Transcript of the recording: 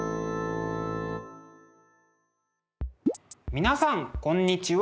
皆さんこんにちは。